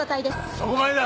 そこまでだ。